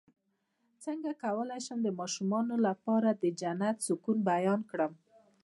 څنګه کولی شم د ماشومانو لپاره د جنت د سکون بیان کړم